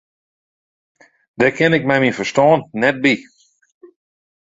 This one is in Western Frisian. Dêr kin ik mei myn ferstân net by.